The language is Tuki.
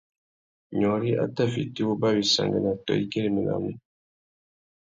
Nyôrï a tà fiti wuba wissangüena tô i güeréménamú.